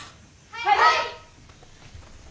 はい！